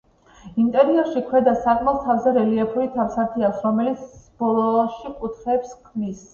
ინტერიერში ქვედა სარკმელს თავზე რელიეფური თავსართი აქვს, რომელიც ბოლოში კუთხეებს ქმნის.